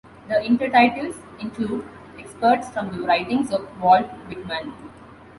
The intertitles include excerpts from the writings of Walt Whitman.